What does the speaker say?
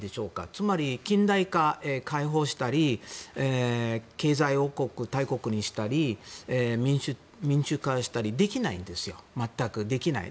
つまり、近代化を開放したり経済王国、大国にしたり民主化したりできないんですよ全くできない。